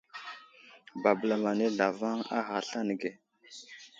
Babəlam anay zlavaŋ a ghay aslane ge.